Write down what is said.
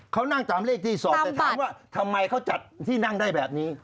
เขานั่งตามเลขที่๒แต่ถามว่าทำไมเขาจัดที่นั่งได้แบบนี้